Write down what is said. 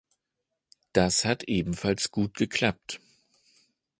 Das hat ebenfalls gut geklappt.